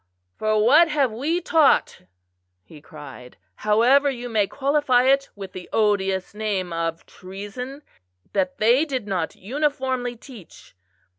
"For what have we taught," he cried, "however you may qualify it with the odious name of treason, that they did not uniformly teach?